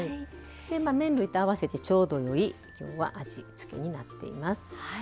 麺類と合わせてちょうどよい味付けになっています。